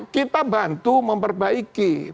kita bantu memperbaiki